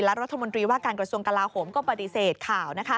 และรัฐมนตรีว่าการกระทรวงกลาโหมก็ปฏิเสธข่าว